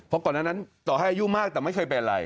เพราะต่ออายุมากแต่ไม่ใช่แบบอะไร